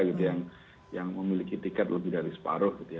gitu yang memiliki tiket lebih dari separuh gitu ya